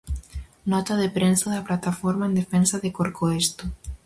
Nota de prensa da plataforma en defensa de Corcoesto.